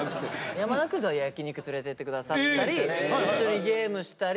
山田くんとは焼き肉連れてってくださったり一緒にゲームしたり